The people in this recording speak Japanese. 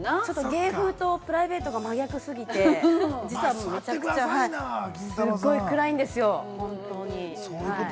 芸風とプライベートが真逆すぎて、実はめちゃくちゃ、すごい暗いんですよ、本当に。